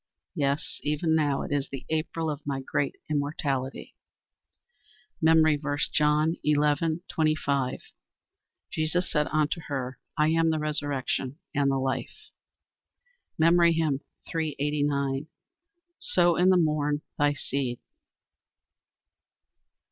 Yes, even now it is the April Of my great immortality." MEMORY VERSE, John 11: 25 "Jesus said unto her, I am the resurrection, and the life." MEMORY HYMN _"Sow in the morn thy seed."